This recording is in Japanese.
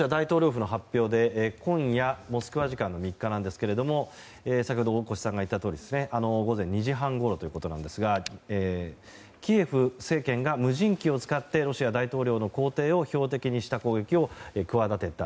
今夜モスクワ時間の３日ですが先ほど大越さんが言ったとおり午前２時半ごろということですがキエフ政権が無人機を使ってロシア大統領府の公邸を標的にした攻撃を企てた。